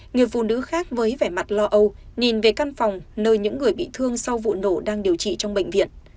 người phụ nữ khác với vẻ mặt lo âu nhìn về căn phòng nơi những người bị thương sau vụ nổ đang điều trị trong bệnh viện